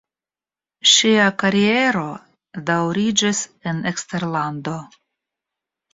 Ŝia kariero daŭriĝis en eksterlando.